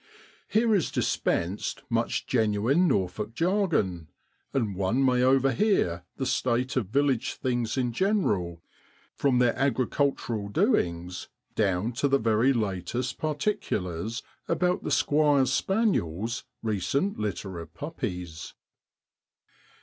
Here is dis pensed much genuine Norfolk jargon, and one may overhear the state of village things in general, from their agricultural doings down to the very latest particu lars about the squire's spaniel's recent litter of puppies.